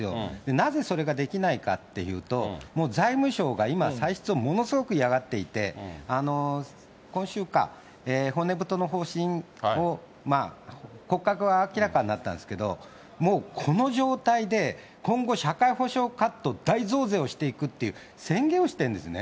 なぜそれができないかっていうと、もう財務省が今、歳出ものすごく嫌がっていて、今週か、骨太の方針を、骨格は明らかになったんですけれども、もうこの状態で、今後、社会保障カット、大増税をしていくっていう宣言をしてるんですね。